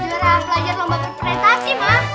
juara pelajar lomba perpretasi ma